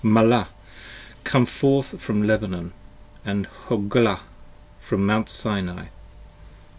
Malah, come forth from Lebanon: & Hoglah, from Mount Sinai!